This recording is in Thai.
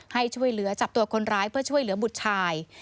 ให้ช่วยเหลือจับตัวคนร้ายเพื่อช่วยเหลือบุตรชาย